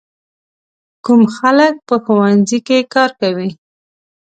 کوم خلک په ښوونځي کې کار کوي؟